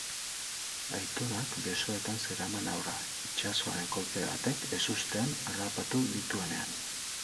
Aitonak besoetan zeraman haurra, itsasoaren kolpe batek ezustean harrapatu dituenean.